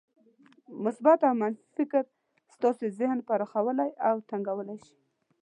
مثبت او منفي فکر ستاسې ذهن پراخولای او تنګولای شي.